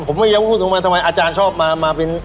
ผมไม่อยากพูดลงมาทำไมอาจารย์ชอบมามาเป็น